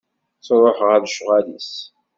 Truḥ ɣer lecɣal-is.